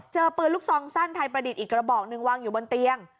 เจอปืนลูกซองสั้นไทยประดิษฐ์อีกกระบอกหนึ่งวางอยู่บนเตียง